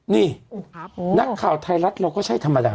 นี่นักข่าวไทยรัฐเราก็ใช่ธรรมดา